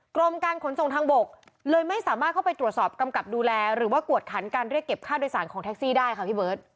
กรมการขนส่งทางบกเลยไม่สามารถเข้าไปตรวจสอบกำกับดูแลหรือว่ากวดขันการเรียกเก็บค่าโดยสารของแท็กซี่ได้ค่ะพี่เบิร์ต